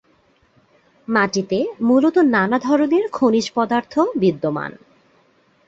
মাটিতে মূলত নানা ধরনের খনিজ পদার্থ বিদ্যমান।